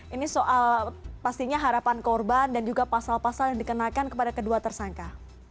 ini soal pastinya harapan korban dan juga pasal pasal yang dikenakan kepada kedua tersangka